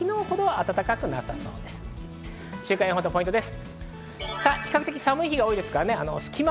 週間予報とポイントです。